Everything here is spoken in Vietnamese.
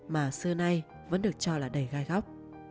mà xưa nay vẫn được cho là đầy gai góc